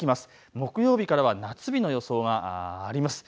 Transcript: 木曜日からは夏日の予想があります。